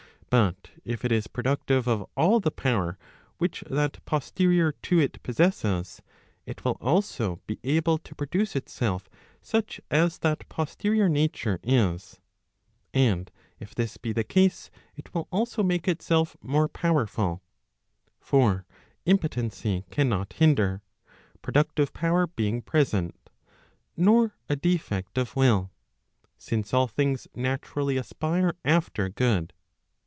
But if it is productive of all the power which that posterior to it possesses, it will also be able to pro¬ duce itself such as that posterior nature is. And if this be the case it will also make itself 1 more powerful. For impotency cannot hinder, pro¬ ductive power being present, nor a defect of will; since all things natu¬ rally aspire after good.